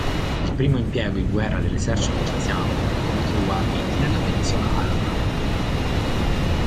Il primo impiego in guerra dell'esercito egiziano fu contro i wahhabiti nella penisola araba.